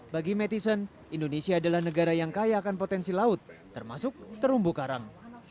bagi mattison indonesia adalah negara yang kayakan potensi laut termasuk terumbu karang